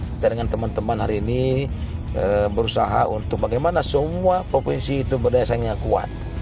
kita dengan teman teman hari ini berusaha untuk bagaimana semua provinsi itu berdaya saingnya kuat